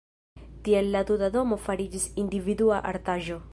Tiel la tuta domo fariĝis individua artaĵo.